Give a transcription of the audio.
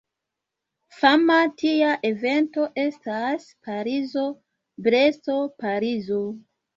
Fama tia evento estas Parizo-Bresto-Parizo.